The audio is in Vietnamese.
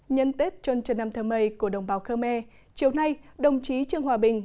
nhân tết trơn trần năm thơ mây của đồng bào khmer chiều nay đồng chí trương hòa bình